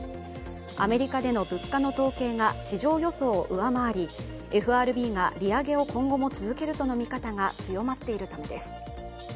アメリカでの物価の統計が市場予想を上回り、ＦＲＢが利上げを今後も続けるとの見方が強まっているためです。